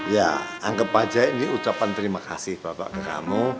ya anggap aja ini ucapan terima kasih bapak ke kamu